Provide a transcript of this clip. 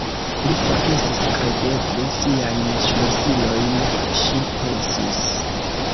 Li forgesis kredeble siajn ŝlosilojn, ŝi pensis.